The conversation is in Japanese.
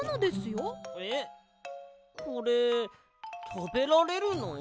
えっこれたべられるの？